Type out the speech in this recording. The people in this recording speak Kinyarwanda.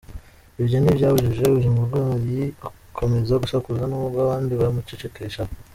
Ibyo ntibyabujije uyu murwayi gukomeza gusakuza n’ubwo abandi bamucecekeshaga.